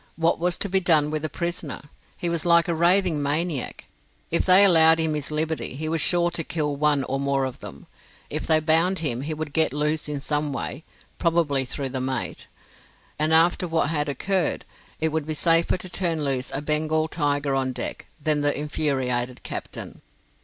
What was to be done with the prisoner? He was like a raving maniac. If they allowed him his liberty, he was sure to kill one or more of them. If they bound him he would get loose in some way probably through the mate and after what had occurred, it would be safer to turn loose a Bengal tiger on deck then the infuriated captain.